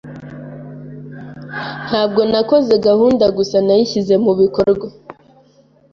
Ntabwo nakoze gahunda gusa, nayishyize mubikorwa.